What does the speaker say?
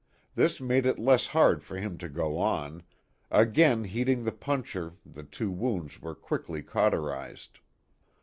This made it less hard for him to go on again heating the puncher the two wounds were quickly cauterized.